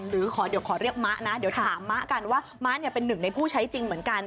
หรือขอเดี๋ยวขอเรียกมะนะเดี๋ยวถามมะกันว่ามะเป็นหนึ่งในผู้ใช้จริงเหมือนกัน